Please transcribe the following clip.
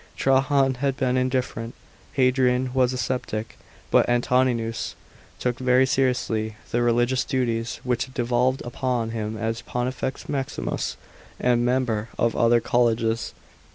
Trajan had been indifferent; Hadrian was a sceptic. But Antoninus took very seriously the religious duties which devolved upon him as Pontifex Maximus, and member of other colleges.